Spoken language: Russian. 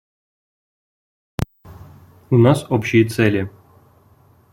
У нас общие цели.